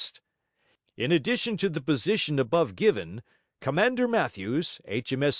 In addition to the position above given Commander Matthews, H.M.S.